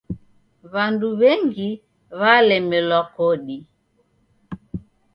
W'andu w'engi w'alemelwa godi.